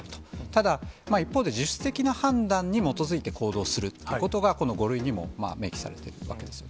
ただ、一方で、自主的な判断に基づいて行動するということが、この５類にも明記されているわけですよ。